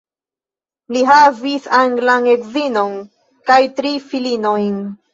Li havis anglan edzinon kaj tri filinojn.